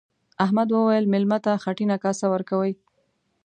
احمد وويل: مېلمه ته خټینه کاسه ورکوي.